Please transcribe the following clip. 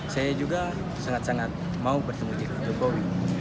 saya juga sangat sangat mau bertemu dengan joko widodo